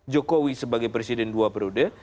jokowi sebagai presiden dua periode